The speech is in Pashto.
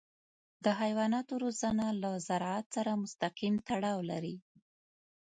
د حیواناتو روزنه له زراعت سره مستقیم تړاو لري.